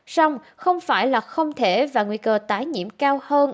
xong không phải là không thể và nguy cơ tái nhiễm cao hơn